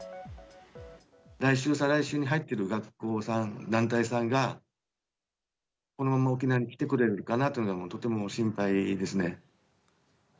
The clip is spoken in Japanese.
来週、再来週に入っている学校さん、団体さんが、このまま沖縄に来てくれるかなというのがとても心配ですね。